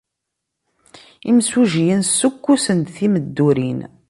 Imsujjiyen ssukkusen-d timeddurin.